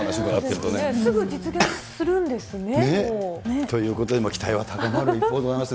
すぐ実現するんですね、ということで期待は高まる一方でございます。